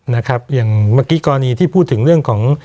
นะครับอย่างเมื่อกี้กรณีที่พูดถึงเรื่องของ